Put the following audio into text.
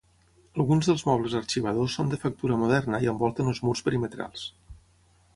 Alguns dels mobles arxivadors són de factura moderna i envolten els murs perimetrals.